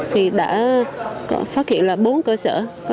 thì đã phát hiện là bốn cơ sở